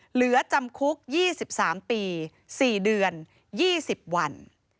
เหลือจำคุก๒๓ปี๔เดือน๒๐วัน